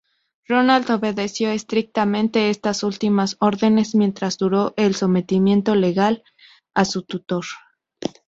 Ronald obedeció estrictamente estas últimas órdenes mientras duró el sometimiento legal a su tutor.